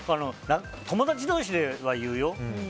友達同士では言うよ。